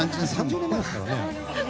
３０年前ですからね。